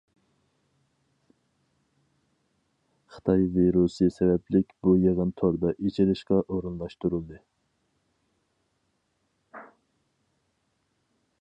خىتاي ۋىرۇسى سەۋەبلىك بۇ يېغىن توردا ئېچىلىشقا ئورۇنلاشتۇرۇلدى.